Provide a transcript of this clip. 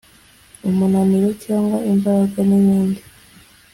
umunaniro cyangwa imbaraga n’ibindi